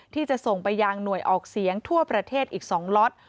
ที่จะส่งไปยังหน่วยออกเสียงทั่วประเทศอีก๒ล็อต